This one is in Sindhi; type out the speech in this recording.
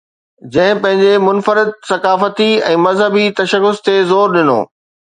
جنهن پنهنجي منفرد ثقافتي ۽ مذهبي تشخص تي زور ڏنو.